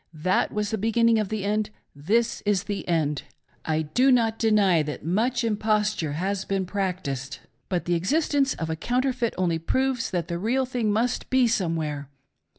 That was the be ginning of the end ; this is the end. I do not deny that much imposture has been practiced ; but the existence of a counter feit only proves that the real thing must be somewhere.